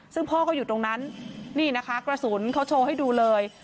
ซึ่งพ่อก็อยู่ตรงนั้นนี่นะคะกระสุนเขาโชว์ให้ดูเลย